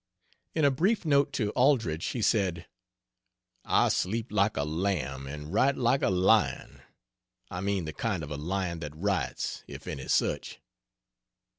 In a brief note to Aldrich he said: "I sleep like a lamb and write like a lion I mean the kind of a lion that writes if any such."